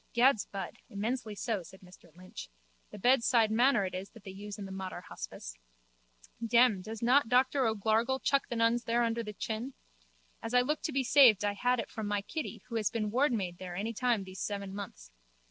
Gad's bud, immensely so, said Mr Lynch. The bedside manner it is that they use in the Mater hospice. Demme, does not Doctor O'Gargle chuck the nuns there under the chin. As I look to be saved I had it from my Kitty who has been wardmaid there any time these seven months.